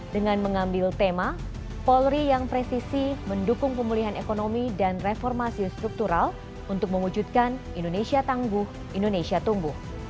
dengan mengambil tema polri yang presisi mendukung pemulihan ekonomi dan reformasi struktural untuk mewujudkan indonesia tangguh indonesia tumbuh